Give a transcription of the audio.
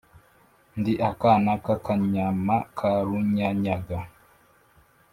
Ndi akana k'amanyama ka Runyanyaga